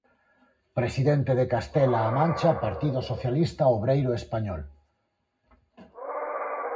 Presidente de Castela-A Mancha, Partido Socialista Obreiro Español.